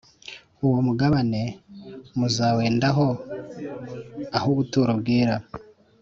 Uwo mugabane muzawendaho ah ubuturo bwera